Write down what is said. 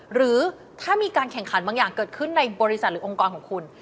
หรือถ้ามีการแข่งขันบางอย่างเกิดขึ้นในบริษัทหรือองค์กรของคุณ